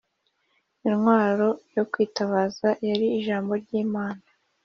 intwaro yo kwitabaza yari ijambo ry’Imana